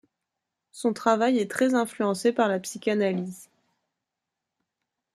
Son travail est très influencé par la psychanalyse.